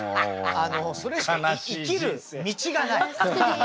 あのそれしか生きる道がない。